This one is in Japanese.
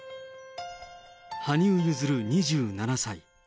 羽生結弦２７歳。